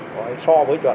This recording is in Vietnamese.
nói so với chuẩn